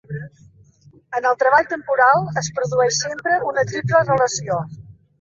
En el treball temporal es produeix sempre una triple relació.